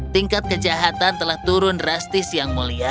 tingkat kejahatan telah turun drastis yang mulia